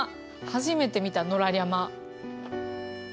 初めて見た野良リャマ。